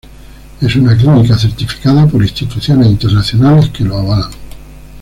Es una clínica certificada por Instituciones Internacionales que lo avalan.